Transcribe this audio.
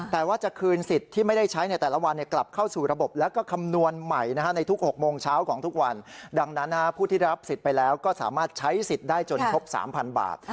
แต่ว่าจะคืนสิทธิ์ที่ไม่ได้ใช้ในแต่ละวันกลับเข้าสู่ระบบแล้วก็คำนวณใหม่ในทุก๖โมงเช้าของทุกวันดังนั้นผู้ที่รับสิทธิ์ไปแล้วก็สามารถใช้สิทธิ์ได้จนครบ๓๐๐บาท